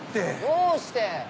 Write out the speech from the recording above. どうして！